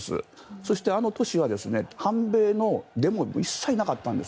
そして、あの年は反米のデモは一切なかったんです。